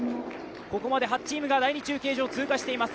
ここまで８チームが第２中継所を通過しています。